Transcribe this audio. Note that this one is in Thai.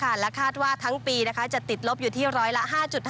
และคาดว่าทั้งปีจะติดลบอยู่ที่ร้อยละ๕๕